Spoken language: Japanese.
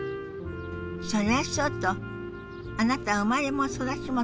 それはそうとあなた生まれも育ちも東京なのね。